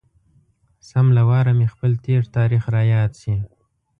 سم له واره مې خپل تېر تاريخ را یاد شي.